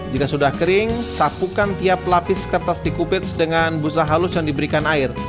jika sudah kering sapukan tiap lapis kertas tikupits dengan busa halus yang diberikan air